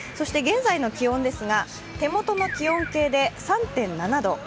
現在の気温ですが、手元の気温計で３．７度。